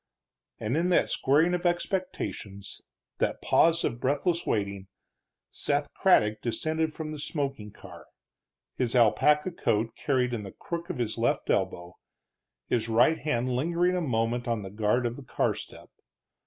And in that squaring of expectation, that pause of breathless waiting, Seth Craddock descended from the smoking car, his alpaca coat carried in the crook of his left elbow, his right hand lingering a moment on the guard of the car step.